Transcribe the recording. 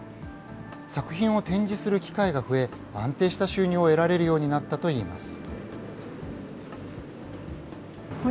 作品を展示する機会が増え、安定した収入を得られるようになったといいます。